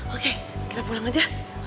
oke kita pulang aja